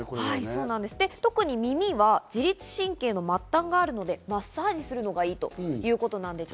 特に耳は自律神経の末端があるので、マッサージするのがいいということです。